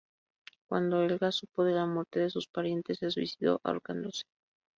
Cuando Helga supo de la muerte de sus parientes, se suicidó ahorcándose.